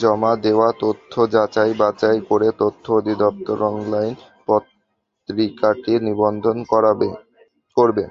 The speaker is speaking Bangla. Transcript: জমা দেওয়া তথ্য যাচাই বাছাই করে তথ্য অধিদপ্তর অনলাইন পত্রিকাটির নিবন্ধন করবে।